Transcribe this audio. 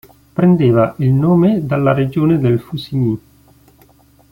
Prendeva il nome dalla regione del Faucigny.